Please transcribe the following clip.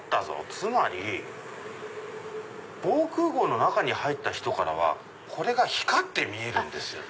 つまり防空壕の中に入った人からはこれが光って見えるんですよね。